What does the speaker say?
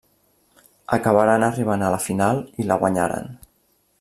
Acabaren arribant a la final, i la guanyaren.